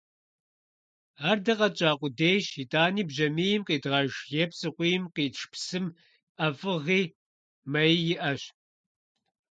Ар дэ къэтщӀа къудейщ, итӀани бжьамийм къидгъэж е псыкъуийм къитш псым ӀэфӀыгъи, мэи иӀэщ.